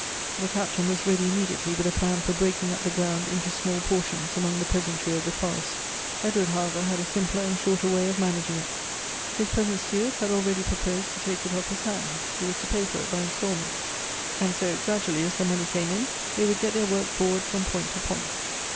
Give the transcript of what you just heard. The Captain was ready immediately with a plan for breaking up the ground into small portions among the peasantry of the fore.st. Edward, however, had a simpler and shorter way of managing it. His present steward had already proposed to take it off his hands — he was to pay for it by instalments — and so, gradually, as the money came in, they would get their work forward fi om point to point.